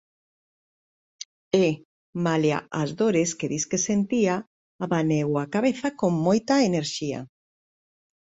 E, malia as dores que disque sentía, abaneou a cabeza con moita enerxía.